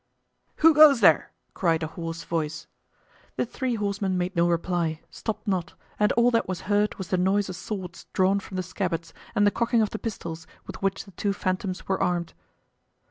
"Who goes there?" cried a hoarse voice. The three horsemen made no reply, stopped not, and all that was heard was the noise of swords drawn from the scabbards and the cocking of the pistols with which the two phantoms were armed.